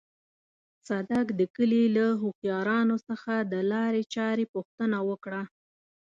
صدک د کلي له هوښيارانو څخه د لارې چارې پوښتنه وکړه.